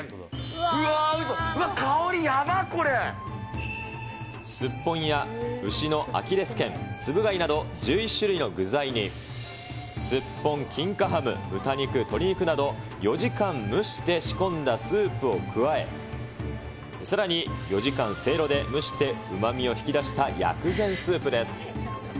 香りやばっ、スッポンや牛のアキレスけん、つぶ貝など、１１種類の具材に、スッポン、金華ハム、豚肉、鶏肉など、４時間蒸して仕込んだスープを加え、さらに４時間せいろで蒸してうまみを引き出した薬膳スープです。